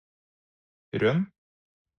Røn